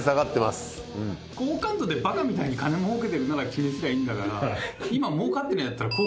好感度でバカみたいに金もうけてるなら気にすりゃいいんだから。